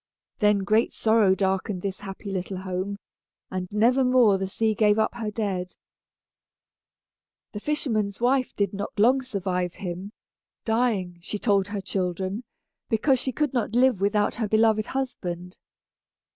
Then great sorrow darkened this happy little home; and nevermore the sea gave up her dead. [Illustration: Emma Singing on the Rocks.] The fisherman's wife did not long survive him dying, she told her children, because she could not live without her beloved husband.